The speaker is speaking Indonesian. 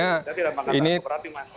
saya tidak mengatakan kooperatif mas